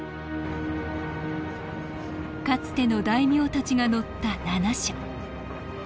かつての大名たちが乗った七車。